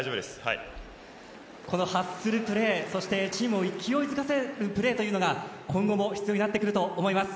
このハッスルプレーそしてチームを勢いづかせるプレーが今後も必要になってくると思います。